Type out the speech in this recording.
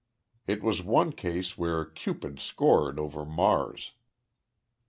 It was one case where Cupid scored over Mars."